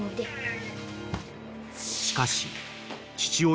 ［しかし］